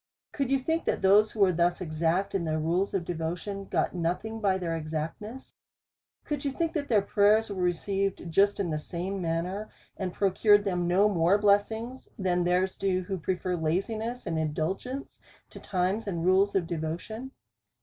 Could you think, that those who were thus exact in their rules of devotion, got nothing by their exactness ? Could you think, that their prayers were received just in the same manner, and pro cured them no more blessings, than theirs do, who prefer laziness and indulgence to times and rules of devotion